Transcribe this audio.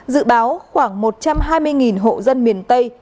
dự báo khoảng một trăm hai mươi hộ dân miền tây